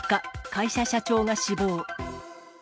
会社社長が死亡。